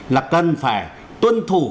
là cần phải tuân thủ